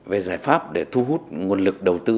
về giải pháp để thu hút nguồn lực đầu tư